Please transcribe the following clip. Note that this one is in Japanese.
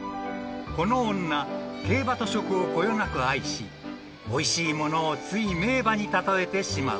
［この女競馬と食をこよなく愛しおいしいものをつい名馬に例えてしまう］